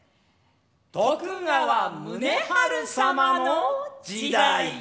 徳川宗春様の時代！